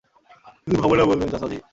শুধু ভাবনা বলবেন, চাচা জি।